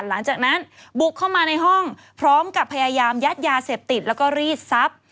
หลังจากนั้นบุกเข้ามาในห้องพร้อมกับพยายามยัดยาเสพติดแล้วก็รีดทรัพย์